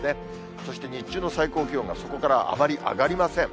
そして日中の最高気温が、そこからあまり上がりません。